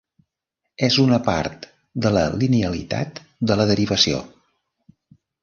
És una part de la linealitat de la derivació.